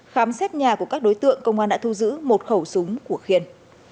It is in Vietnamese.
khám xét nhà của các đối tượng công an đã thu giữ một khẩu súng của khiên